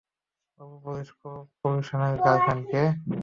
উপ-পুলিশ কমিশনারের গার্লফ্রেন্ডকে!